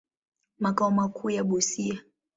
Makao makuu yako Busia.